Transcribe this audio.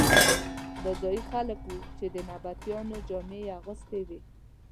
دا ځايي خلک وو چې د نبطیانو جامې یې اغوستې وې.